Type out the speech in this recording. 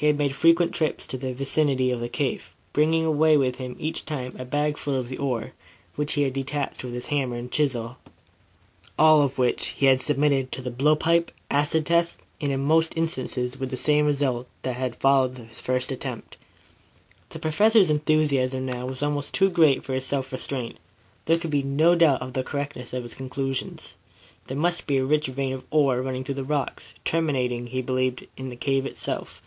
He had made frequent trips to the vicinity of the cave, bringing away with him each time a bagful of the ore, which he had detached with his hammer and chisel, all of which he had submitted to the blow pipe, acid tests, and, in most instances, with the same result that had followed his first attempt. The Professor's enthusiasm now was almost too great for his self restraint. There could be no doubt of the correctness of his conclusions. There must be a rich vein of ore running through the rocks, terminating, he believed, in the cave itself.